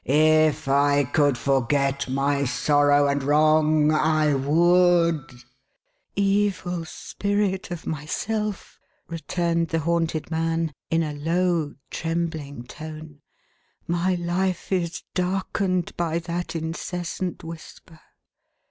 " If I could forget my sorrow and wrong, I would !"" Evil spirit of myself,11 returned the haunted man, in a low, trembling tone, " my life is darkened by that incessant whisper.""